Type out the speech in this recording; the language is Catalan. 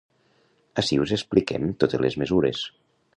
Ací us expliquem totes les mesures.